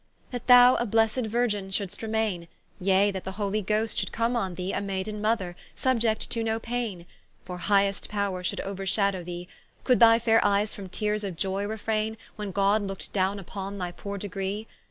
That thou a blessed Virgin shouldst remaine, Yea that the holy Ghost should come on thee A maiden Mother, subiect to no paine, For highest powre should ouershadow thee: Could thy faire eyes from teares of joy refraine, When God look'd downe vpon thy poore degree?